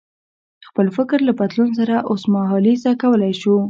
خپل فکر له بدلون سره اوسمهالیزه کولای شو.